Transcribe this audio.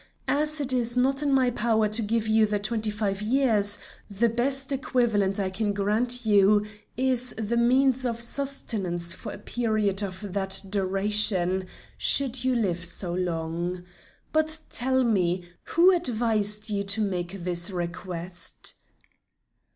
As it is not in my power to give you the twenty five years, the best equivalent I can grant you is the means of sustenance for a period of that duration should you live so long. But tell me, who advised you to make this request?"